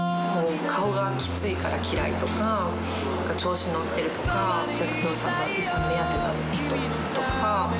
顔がきついから嫌いとか、調子に乗ってるとか、寂聴さんの遺産目当てだとか。